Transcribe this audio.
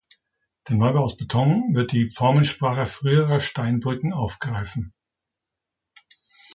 Der Neubau aus Beton wird die Formensprache früherer Steinbrücken aufgreifen.